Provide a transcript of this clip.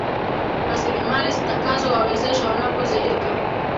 rasilimali zitakazo wawezesha wanapozeeka